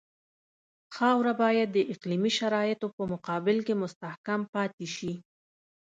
خاوره باید د اقلیمي شرایطو په مقابل کې مستحکم پاتې شي